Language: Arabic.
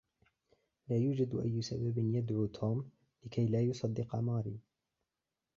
لا يوجد أي سبب يدعو توم لكي لا يصدق ماري.